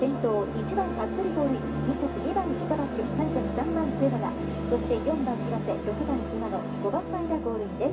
１番服部ゴールイン２着２番板橋３着３番末永そして４番岩瀬６番馬野５番前田ゴールインです。